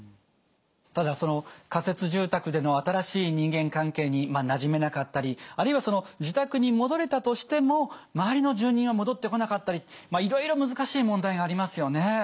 ただ仮設住宅での新しい人間関係になじめなかったりあるいは自宅に戻れたとしても周りの住人は戻ってこなかったりいろいろ難しい問題がありますよね。